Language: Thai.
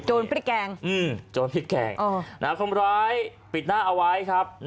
โจญผิดแกรงอืมโจญผิดแกรงนะครับคนร้ายปิดหน้าเอาไว้ครับ